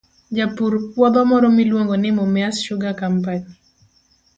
Japur puodho moro miluongo ni Mumias Sugar Company,